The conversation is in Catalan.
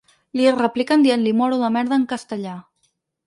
Li repliquen dient-li ‘moro de merda’ en castellà.